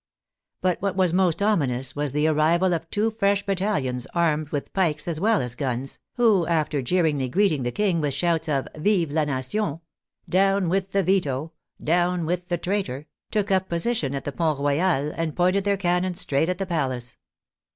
But what was most ominous was the arrival of two fresh battalions armed with pikes as well as guns, who after jeeringly greeting the King with shouts of " Vive la nation !"Down with the veto !"" Down with the traitor !" took up a position at the Pont Royal and pointed their cannon straight at the palace.